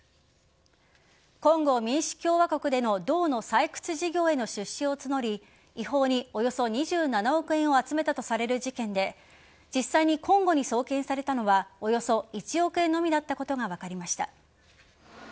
コンゴ民主共和国での銅の採掘事業への出資を募り違法におよそ２７億円を集めたとされる事件で実際にコンゴに送金されたのはおよそ１億円のみだったことが分りました。